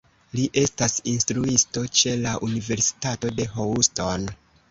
Li estas instruisto ĉe la Universitato de Houston.